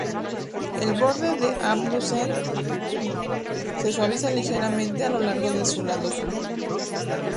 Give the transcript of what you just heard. El borde de Amundsen se suaviza ligeramente a lo largo de su lado sur.